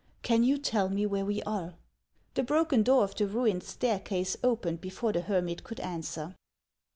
Can you tell me where we are ?" The broken door of the ruined staircase opened before the hermit could answer.